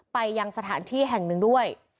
ไปยังสถานที่แห่งหนึ่งด้วย